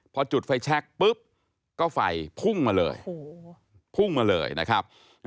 พอจุดไฟแชคปุ๊บก็ไฟพุ่งมาเลยพุ่งมาเลยนะครับ